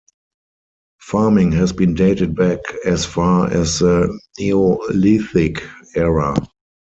Farming has been dated back as far as the Neolithic era.